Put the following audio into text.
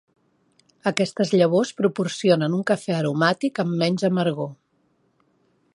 Aquestes llavors proporcionen un cafè aromàtic amb menys amargor.